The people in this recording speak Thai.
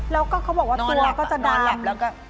แล้วก็เขาบอกว่าตัวก็จะดำ